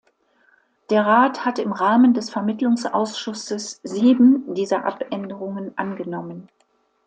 Der Rat hat im Rahmen des Vermittlungsausschusses sieben dieser Abänderungen angenommen.